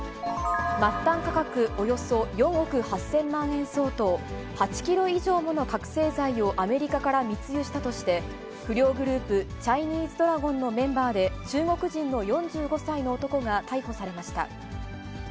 末端価格およそ４億８０００万円相当、８キロ以上もの覚醒剤をアメリカから密輸したとして、不良グループ、チャイニーズドラゴンのメンバーで、中国人の４５歳の男が逮捕されました。